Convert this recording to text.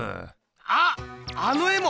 あっあの絵も！